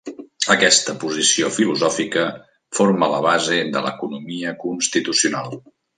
Aquesta posició filosòfica forma la base de l'economia constitucional.